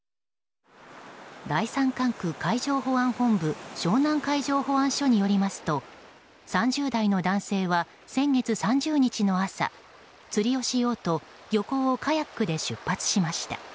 第三管区海上保安本部湘南海上保安署によりますと３０代の男性は先月３０日の朝釣りをしようと漁港をカヤックで出発しました。